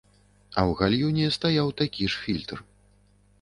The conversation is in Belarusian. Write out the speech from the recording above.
А ў гальюне стаяў такі ж фільтр.